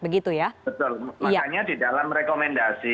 betul makanya di dalam rekomendasi